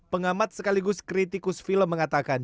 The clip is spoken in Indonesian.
pengamat sekaligus kritikus film mengatakan